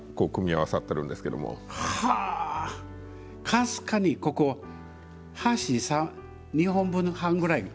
かすかにここ箸２本分半ぐらい。